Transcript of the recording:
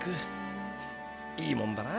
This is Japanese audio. いいもんだな。